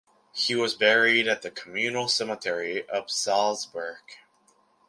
He was buried at the communal cemetery of Salzburg.